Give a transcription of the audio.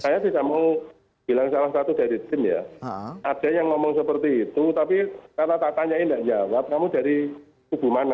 saya tidak mau bilang salah satu dari tim ya ada yang ngomong seperti itu tapi karena tak tanyain tidak jawab kamu dari kubu mana